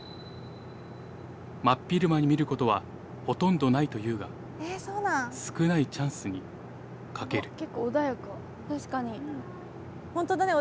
真っ昼間に見ることはほとんどないというが少ないチャンスにかける確かに。